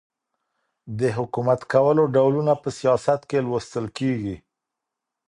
د حکومت کولو ډولونه په سیاست کي لوستل کیږي.